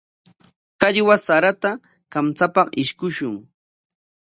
Qallwa sarata kamchapaq ishkushun.